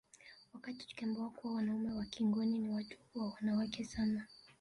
Wakati tukiambiwa kuwa wanaume wa Kingoni ni watu wa wanawake sana